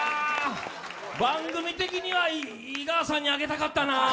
番組的には井川さんにあげたかったな。